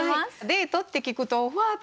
デートって聞くとわあ！